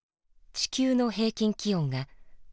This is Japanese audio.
地球の平均気温が＋１．５